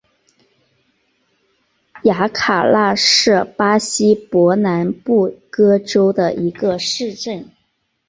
雅凯拉是巴西伯南布哥州的一个市镇。